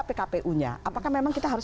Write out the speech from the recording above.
pkpu nya apakah memang kita harus